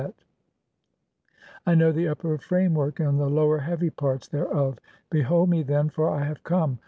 "(28) I know the upper framework (?) and the lower heavy parts "thereof. Behold me, then, for I have come.